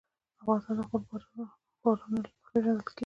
افغانستان د خپلو بارانونو له مخې پېژندل کېږي.